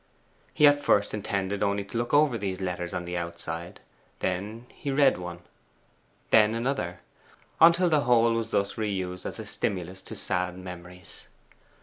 He at first intended only to look over these letters on the outside; then he read one; then another; until the whole was thus re used as a stimulus to sad memories.